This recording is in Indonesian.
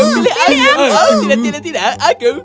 tidak tidak tidak aku